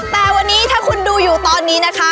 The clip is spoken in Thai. แต่วันนี้ถ้าคุณดูอยู่ตอนนี้นะคะ